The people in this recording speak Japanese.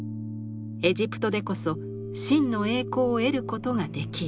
エジプトでこそ真の栄光を得ることができる」。